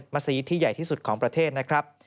มัศยีที่ใหญ่ที่สุดของประเทศนะครับ